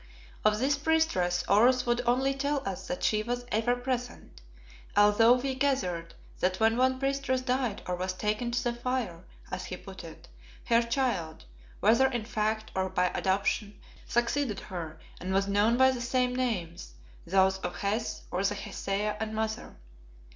Of this priestess Oros would only tell us that she was "ever present," although we gathered that when one priestess died or was "taken to the fire," as he put it, her child, whether in fact or by adoption, succeeded her and was known by the same names, those of "Hes" or the "Hesea" and "Mother."